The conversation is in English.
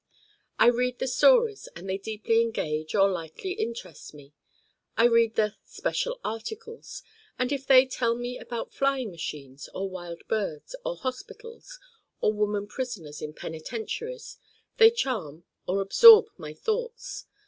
I read the stories and they deeply engage or lightly interest me. I read the 'special articles' and if they tell about flying machines or wild birds or hospitals or woman prisoners in penitentiaries they charm or absorb my thoughts.